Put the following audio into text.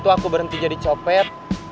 aku berhenti jadi copet